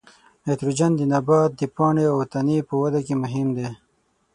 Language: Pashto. نایتروجن د نبات د پاڼې او تنې په وده کې مهم دی.